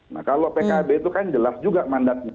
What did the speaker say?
nah kalau pkb itu kan jelas juga mandatnya